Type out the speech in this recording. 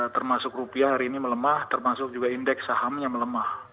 termasuk rupiah hari ini melemah termasuk juga indeks sahamnya melemah